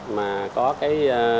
mà có cái